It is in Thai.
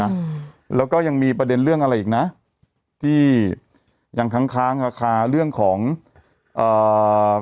อืมแล้วก็ยังมีประเด็นเรื่องอะไรอีกนะที่ยังค้างค้างราคาเรื่องของอ่า